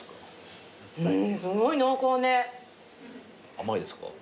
甘いですか？